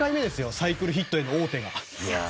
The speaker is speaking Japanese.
サイクルヒットへの王手が。